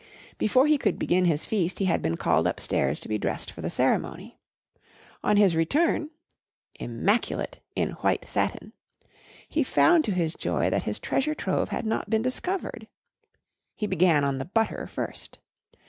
Before he could begin his feast he had been called upstairs to be dressed for the ceremony. On his return (immaculate in white satin) he found to his joy that his treasure trove had not been discovered. He began on the butter first.